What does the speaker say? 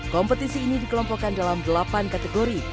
kompetisi ini dikelompokkan dalam delapan kategori